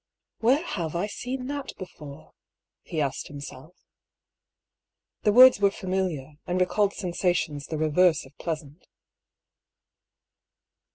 "Where have I seen that before?" he asked him self. The words were familiar, and recalled sensations the reverse of pleasant.